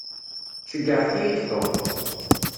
Ceyyɛet-iyi-d Tom.